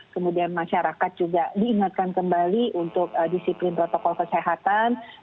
kemudian masyarakat juga diingatkan kembali untuk disiplin protokol kesehatan